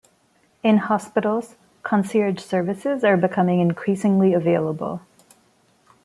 In hospitals, concierge services are becoming increasingly available.